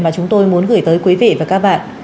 mà chúng tôi muốn gửi tới quý vị và các bạn